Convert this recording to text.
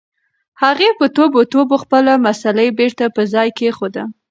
هغې په توبو توبو خپله مصلّی بېرته په ځای کېښوده.